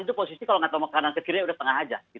itu posisi kalau nggak tahu kanan ke kirinya udah setengah aja